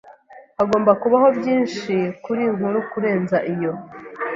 Hagomba kubaho byinshi kurinkuru kurenza iyo.